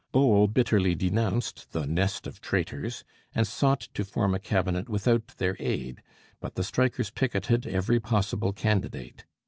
Bowell bitterly denounced the 'nest of traitors,' and sought to form a Cabinet without their aid, but the strikers picketed every possible candidate.